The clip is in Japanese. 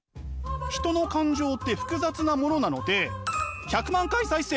人の感情って複雑なものなので１００万回再生